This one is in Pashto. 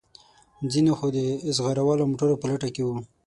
ځینې خو د زغره والو موټرو په لټه کې وو.